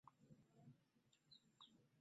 Sirina we nsobola kusomera bintu bye njagala.